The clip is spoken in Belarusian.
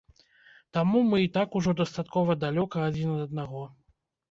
Таму мы і так ужо дастаткова далёка адзін ад аднаго.